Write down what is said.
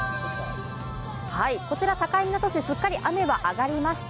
こちら境港市、すっかり雨は上がりました。